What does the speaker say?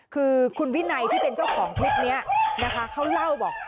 คือคุณวินัยที่เป็นเจ้าของคลิปนี้นะคะเขาเล่าบอก